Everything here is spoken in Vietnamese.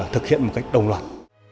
thực hiện một cách đồng loạt